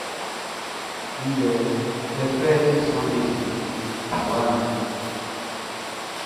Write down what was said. Ndɛ fɛfɛʼm be sɔnnin suklu fluwaʼm be nun.